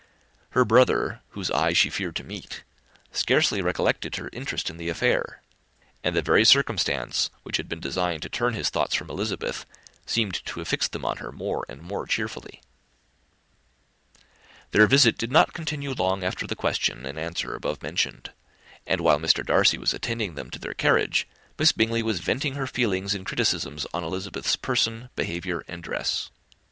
Her brother, whose eye she feared to meet, scarcely recollected her interest in the affair; and the very circumstance which had been designed to turn his thoughts from Elizabeth, seemed to have fixed them on her more and more cheerfully. Their visit did not continue long after the question and answer above mentioned; and while Mr. Darcy was attending them to their carriage, Miss Bingley was venting her feelings in criticisms on Elizabeth's person, behaviour, and dress.